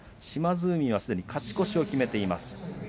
島津海はすでに勝ち越しを決めています。